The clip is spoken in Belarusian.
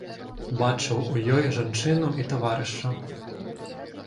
Бачыў у ёй жанчыну і таварыша.